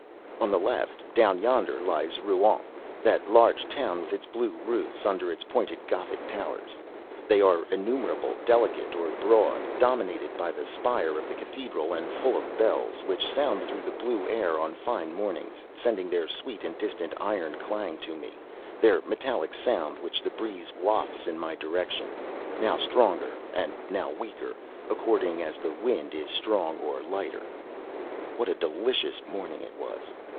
On the left, down yonder, lies Rouen, that large town with its blue roofs, under its pointed Gothic towers. They are innumerable, delicate or broad, dominated by the spire of the cathedral, and full of bells which sound through the blue air on fine mornings, sending their sweet and distant iron clang to me; their metallic sound which the breeze wafts in my direction, now stronger and now weaker, according as the wind is stronger or lighter. What a delicious morning it was!